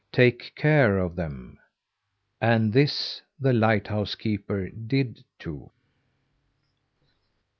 Take care of them!" And this the lighthouse keeper did, too.